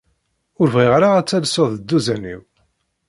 Ur bɣiɣ ara ad tellseḍ dduzan-iw.